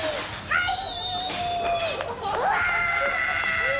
はい。